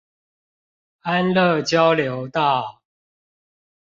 安樂交流道